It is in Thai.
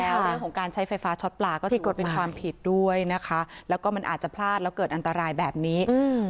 แล้วเรื่องของการใช้ไฟฟ้าช็อตปลาก็ที่กดเป็นความผิดด้วยนะคะแล้วก็มันอาจจะพลาดแล้วเกิดอันตรายแบบนี้